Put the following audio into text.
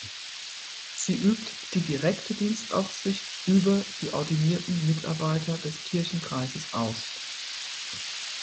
Sie übt die direkte Dienstaufsicht über die ordinierten Mitarbeiter des Kirchenkreises aus.